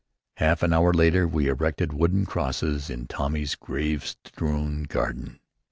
Half an hour later we erected a wooden cross in Tommy's grave strewn garden.